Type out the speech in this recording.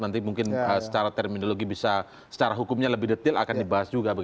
nanti mungkin secara terminologi bisa secara hukumnya lebih detail akan dibahas juga